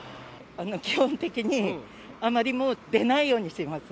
基本的に、あまりもう出ないようにしてます。